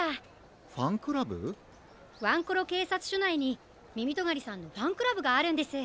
ワンコロけいさつしょないにみみとがりさんのファンクラブがあるんです。